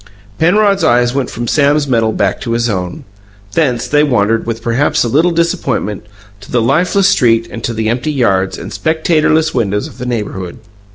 Penrod's eyes went from Sam's medal back to his own; thence they wandered, with perhaps a little disappointment, to the lifeless street and to the empty yards and spectatorless windows of the neighbourhood.